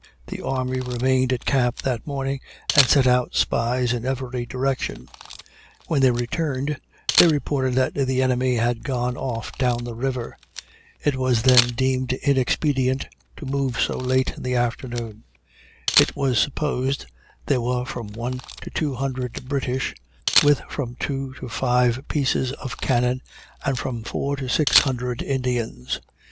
The army remained at camp that morning, and sent out spies in every direction; when they returned, they reported that the enemy had gone off down the river. It was then deemed inexpedient to move so late in the afternoon. It was supposed there were from one to two hundred British, with from two to five pieces of cannon, and from four to six hundred Indians.